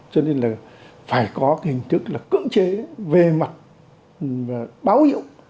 cho nên là phải có cái hình thức là cưỡng chế về mặt báo hiệu